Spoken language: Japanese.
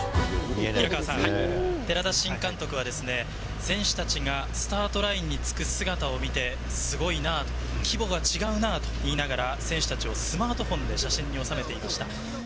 寺田新監督はですね、選手たちがスタートラインにつく姿を見て、すごいなあと、規模が違うなと言いながら、選手たちをスマートフォンで写真に収めていました。